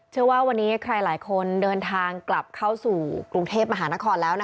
เชื่อว่าวันนี้ใครหลายคนเดินทางกลับเข้าสู่กรุงเทพมหานครแล้ว